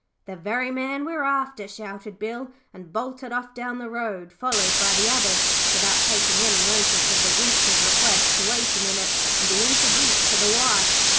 'The very man we're after,' shouted Bill, and bolted off down the road, followed by the others, without taking any notice of the Rooster's request to wait a minute and be introduced to the wife.